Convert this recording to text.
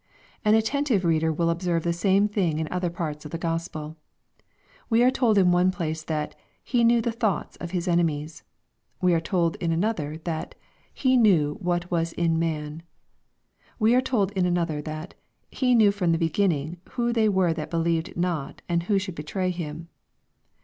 An attentive reader will observe the same thing in other parts of the Gospel. We are told in one place that " He knew the thoughts" of His enemies. We are told in another, that " He knew what was in man/' We are told in another, that " He knew from the beginning who they were that believed not and who should betray Him.''